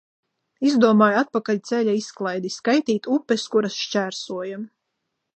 Izdomāju atpakaļceļa izklaidi – skaitīt upes, kuras šķērsojam.